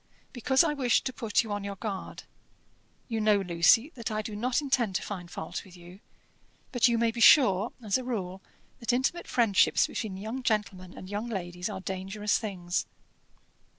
"Because I wished to put you on your guard. You know, Lucy, that I do not intend to find fault with you; but you may be sure, as a rule, that intimate friendships between young gentlemen and young ladies are dangerous things."